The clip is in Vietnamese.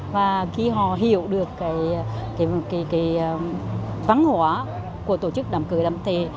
và khi họ hiểu được cái văn hóa của tổ chức đám cưới đám thề